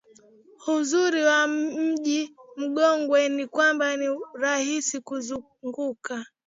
Uzuri wa Mji Mkongwe ni kwamba ni rahisi kuuzunguka